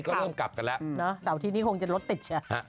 ก็เริ่มกลับกันแล้วนะเสาร์อาทิตย์นี้คงจะรถติดใช่ไหม